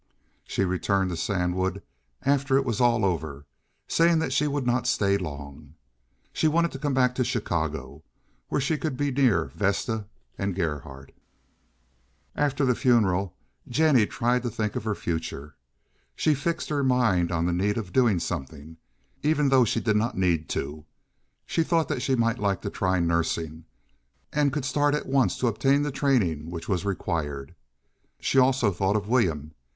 She returned to Sandwood after it was all over, saying that she would not stay long. She wanted to come back to Chicago, where she could be near Vesta and Gerhardt. After the funeral Jennie tried to think of her future. She fixed her mind on the need of doing something, even though she did not need to. She thought that she might like to try nursing, and could start at once to obtain the training which was required. She also thought of William.